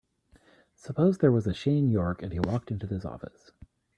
Suppose there was a Shane York and he walked into this office.